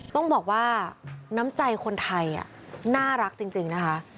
ต้องบอกว่าน้ำใจคนไทยน่ารักจริงนะคะ